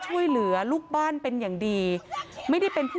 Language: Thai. โชว์บ้านในพื้นที่เขารู้สึกยังไงกับเรื่องที่เกิดขึ้น